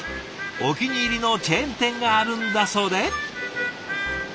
お気に入りのチェーン店があるんだそうで。